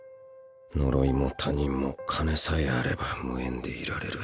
呪いも他人も金さえあれば無縁でいられる。